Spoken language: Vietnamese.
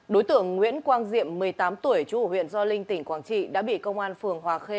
đối tượng nguyễn quang diệm một mươi tám tuổi trụ huyện do linh tỉnh quảng trị đã bị công an phường hòa khê